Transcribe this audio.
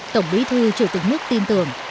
tổng bí thư chủ tịch nước tin tưởng